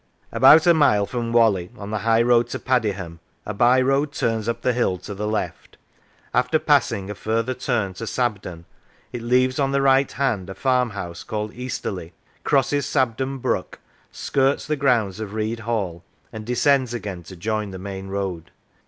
" About a mile from Whalley, on the high road to Padihatn, a by road turns up the hill to the left; after passing a further turn to Sabden it leaves on the right hand a farmhouse called Easterley, crosses Sabden Brook, skirts the grounds of Read Hall, and descends again to join the main road.